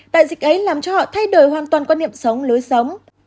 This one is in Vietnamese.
đại dịch ấy làm cho họ thay đổi hoàn toàn quan niệm sống lối sống